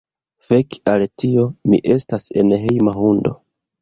Fek' al tio. Mi estas enhejma hundo